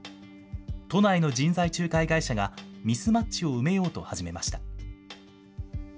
都内の人材仲介会社がミスマッチを埋めようと始めました。